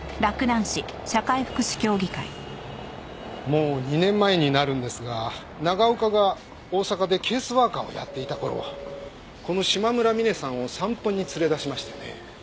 もう２年前になるんですが長岡が大阪でケースワーカーをやっていた頃この島村ミネさんを散歩に連れ出しましてね。